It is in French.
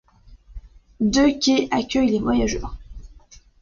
Deux quais accueillent les voyageurs.